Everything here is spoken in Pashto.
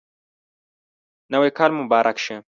نوی کال مو مبارک شه